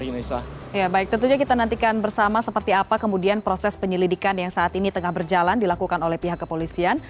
ya baik tentunya kita nantikan bersama seperti apa kemudian proses penyelidikan yang saat ini tengah berjalan dilakukan oleh pihak kepolisian